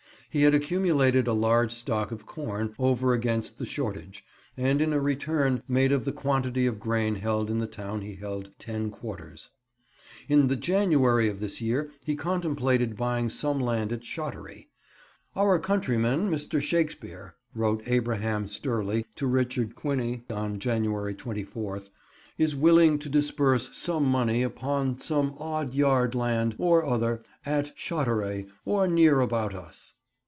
He had accumulated a large stock of corn, over against the shortage, and in a return made of the quantity of grain held in the town he held ten quarters. In the January of this year he contemplated buying some land at Shottery. "Our countriman, Mr. Shaksper," wrote Abraham Sturley to Richard Quiney on January 24th, "is willinge to disburse some monei upon some od yarde land or other att Shotterei or neare about us."